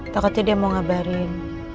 takutnya dia mau ngabarin